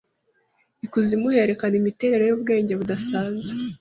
Ikuzimu herekana imiterere yubwenge budasanzwe